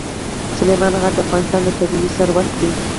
سلیمان غر د افغانستان طبعي ثروت دی.